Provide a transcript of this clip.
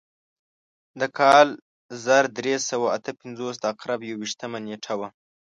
د کال زر درې سوه اته پنځوس د عقرب یو ویشتمه نېټه وه.